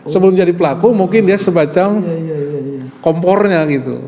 sebelum jadi pelaku mungkin dia semacam kompornya gitu